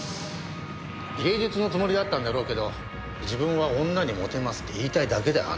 芸術のつもりだったんだろうけど自分は女にモテますって言いたいだけだよあんなの。